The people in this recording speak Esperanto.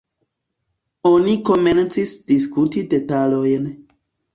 Oni komencis diskuti detalojn.